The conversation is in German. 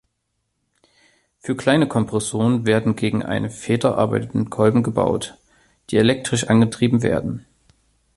Für kleine Kompressoren werden gegen eine Feder arbeitende Kolben gebaut, die elektrisch angetrieben werden.